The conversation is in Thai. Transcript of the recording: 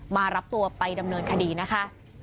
มารับตัวไปดำเนินคดีนะคะ